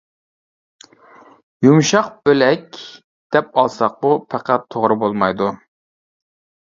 يۇمشاق بۆلەك دەپ ئالساقمۇ پەقەت توغرا بولمايدۇ.